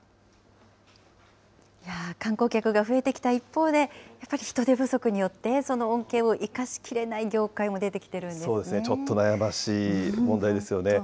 観光客が増えてきた一方で、やっぱり人手不足によってその恩恵を生かしきれない業界も出てきそうですね、ちょっと悩ましい問題ですよね。